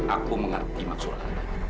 aku mengerti maksud anda